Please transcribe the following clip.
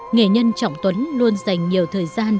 nghề nhân trọng tuấn luôn dành nhiều thời gian